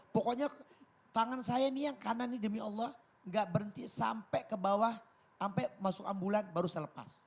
pokoknya tangan saya ini yang kanan ini demi allah nggak berhenti sampai ke bawah sampai masuk ambulan baru saya lepas